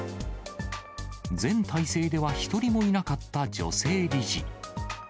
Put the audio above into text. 前体制では一人もいなかった女性理事。